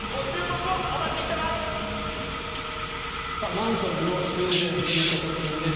マンションの修繕積立金です。